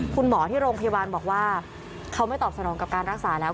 คุณหมอที่โรงพยาบาลบอกว่าเขาไม่ตอบสนองกับการรักษาแล้ว